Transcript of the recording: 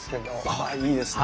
あいいですね。